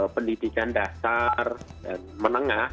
pendidikan dasar dan menengah